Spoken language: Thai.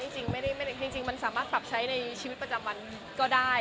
จริงมันสามารถปรับใช้ในชีวิตประจำวันก็ได้